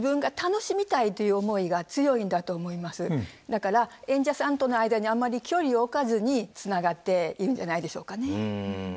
だから演者さんとの間にあんまり距離を置かずにつながっているんじゃないでしょうかね。